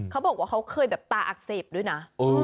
เขาบอกว่าเขาเคยแบบตาอักเสบด้วยนะ